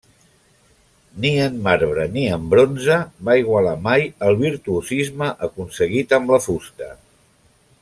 Ni en marbre ni en bronze va igualar mai el virtuosisme aconseguit amb la fusta.